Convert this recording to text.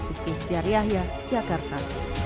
iskih dari yahya jakarta